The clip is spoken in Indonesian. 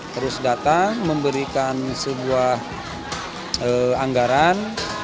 terus datang memberikan sebuah anggaran